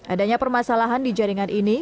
adanya permasalahan di jaringan ini